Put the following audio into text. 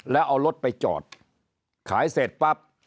แล้วเอารถไปจอดขายเสร็จปั๊บ